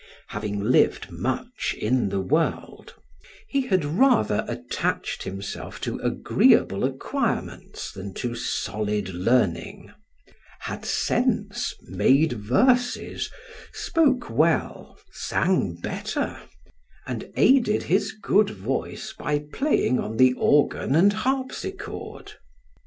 Having lived much in the world, he had rather attached himself to agreeable acquirements than to solid learning; had sense, made verses, spoke well, sang better, and aided his good voice by playing on the organ and harpsichord.